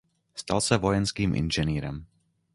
Stal se vojenským inženýrem.